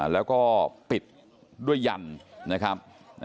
แล้วก็ปิดด้วยยันนะครับ